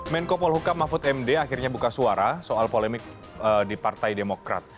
menko polhukam mahfud md akhirnya buka suara soal polemik di partai demokrat